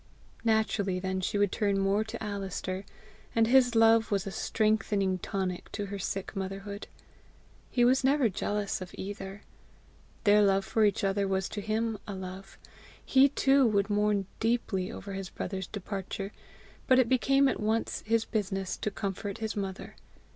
Naturally then she would turn more to Alister, and his love was a strengthening tonic to her sick motherhood. He was never jealous of either. Their love for each other was to him a love. He too would mourn deeply over his brother's departure, but it became at once his business to comfort his mother.